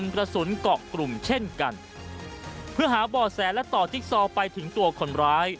กรุ่งเช่นกันเพื่อหาบ่อแสนและต่อจิ๊กซอไปถึงตัวคนร้าย